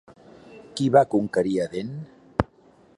Qui va conquerir Aden?